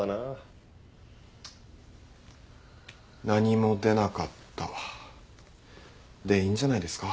「何も出なかった」でいいんじゃないですか？